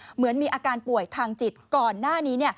เหมือนมีอาการป่วยทางจิตก่อนหน้านี้